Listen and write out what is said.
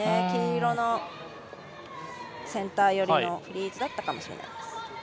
黄色のセンター寄りのフリーズだったかもしれないです。